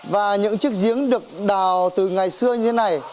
và những chiếc giếng được đào từ ngày xưa như thế này